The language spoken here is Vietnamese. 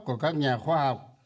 của các nhà khoa học